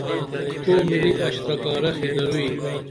تو مِلی اشترکا رخی دروئی؟